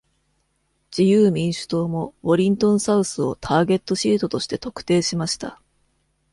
自由民主党もウォリントンサウスをターゲットシートとして特定しました。